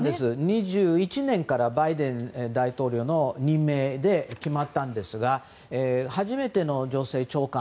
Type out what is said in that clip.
２１年からバイデン大統領の任命で決まったんですが初めての女性長官。